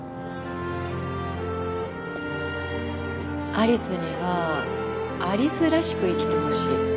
有栖には有栖らしく生きてほしい